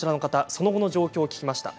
その後の状況を聞きました。